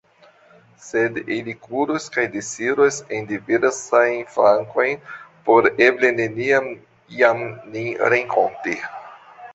Sed ili kuros kaj disiros en diversajn flankojn, por eble neniam jam nin renkonti.